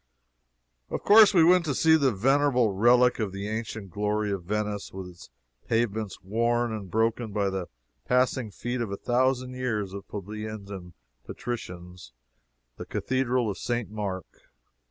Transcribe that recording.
Of course we went to see the venerable relic of the ancient glory of Venice, with its pavements worn and broken by the passing feet of a thousand years of plebeians and patricians The Cathedral of St. Mark.